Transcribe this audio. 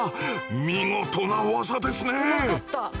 見事な技ですねえ！